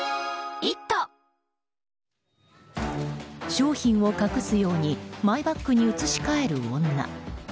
商品を隠すようにマイバッグに移し替える女。